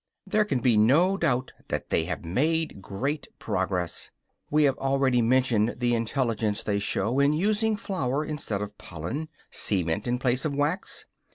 There can be no doubt that they have made great progress. We have already mentioned the intelligence they show in using flour instead of pollen, cement in place of wax.